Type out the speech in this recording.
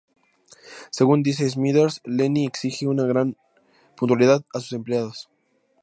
Según dice Smithers, Lenny exige una gran puntualidad a sus empleados.